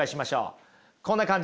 こんな感じです。